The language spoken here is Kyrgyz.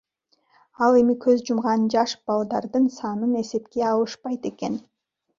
Ал эми көз жумган жаш балдардын санын эсепке алышпайт экен.